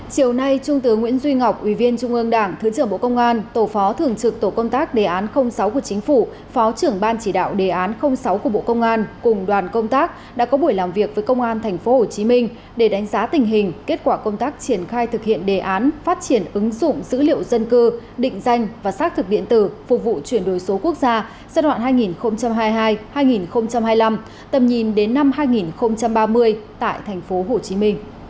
chiều nay trung tướng nguyễn duy ngọc ủy viên trung ương đảng thứ trưởng bộ công an tổ phó thường trực tổ công tác đề án sáu của chính phủ phó trưởng ban chỉ đạo đề án sáu của bộ công an cùng đoàn công tác đã có buổi làm việc với công an tp hcm để đánh giá tình hình kết quả công tác triển khai thực hiện đề án phát triển ứng dụng dữ liệu dân cư định danh và xác thực điện tử phục vụ chuyển đổi số quốc gia giai đoạn hai nghìn hai mươi hai hai nghìn hai mươi năm tầm nhìn đến năm hai nghìn ba mươi tại tp hcm